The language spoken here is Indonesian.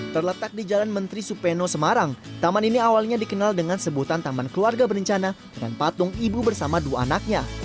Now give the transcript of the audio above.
terletak di jalan menteri supeno semarang taman ini awalnya dikenal dengan sebutan taman keluarga berencana dan patung ibu bersama dua anaknya